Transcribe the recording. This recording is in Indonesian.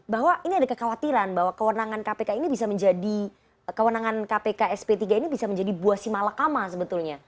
bahwa ini ada kekhawatiran bahwa kewenangan kpk ini bisa menjadi kewenangan kpk sp tiga ini bisa menjadi buah simalakama sebetulnya